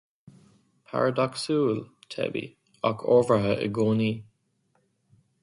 Paradacsúil, teibí, ach ábhartha i gcónaí